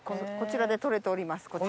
こちらで取れております。